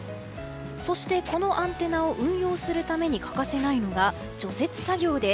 そしてこのアンテナを運用するために欠かせないのが除雪作業です。